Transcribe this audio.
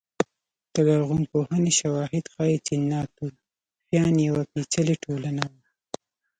د لرغونپوهنې شواهد ښيي چې ناتوفیان یوه پېچلې ټولنه وه